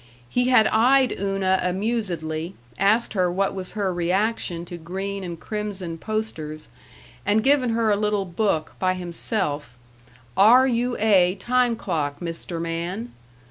He had eyed Una amusedly, asked her what was her reaction to green and crimson posters, and given her a little book by himself, "R U A Time clock, Mr. Man?"